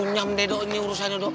nyam deh do ini urusannya do